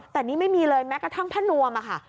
แต่นี่ไม่มีเลยแม้กระทั่งผ้านวมค่ะ